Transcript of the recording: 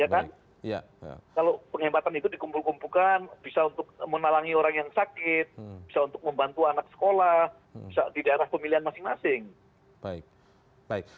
kalau penghematan itu dikumpul kumpulkan bisa untuk menalangi orang yang sakit bisa untuk membantu anak sekolah bisa di daerah pemilihan masing masing